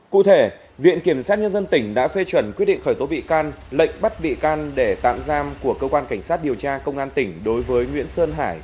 cụ thể viện kiểm sát nhân dân tỉnh đã phê chuẩn quyết định khởi tố bị can lệnh bắt bị can để tạm giam của cơ quan cảnh sát điều tra công an tỉnh đối với nguyễn sơn hải